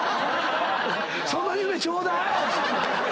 その夢ちょうだい！